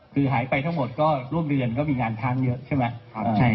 คือหายไปทั้งหมดก็ร่วมเดือนก็มีงานค้างเยอะใช่ไหม